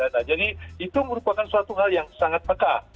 nah jadi itu merupakan suatu hal yang sangat peka